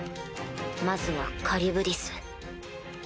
まずはカリュブディス。